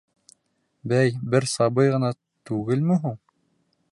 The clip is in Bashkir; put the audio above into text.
Бә-ә-ә-й, бер сабый ғына түгелме һуң?